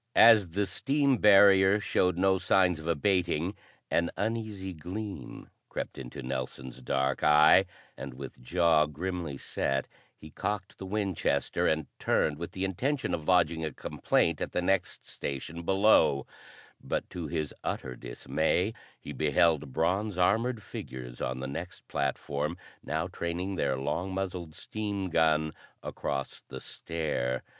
As the steam barrier showed no signs of abating, an uneasy gleam crept into Nelson's dark eye, and with jaw grimly set, he cocked the Winchester and turned with the intention of lodging a complaint at the next station below; but, to his utter dismay, he beheld bronze armored figures on the next platform now training their long muzzled steam gun across the stair.